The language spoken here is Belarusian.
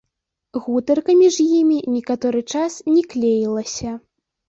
Гутарка між імі некаторы час не клеілася.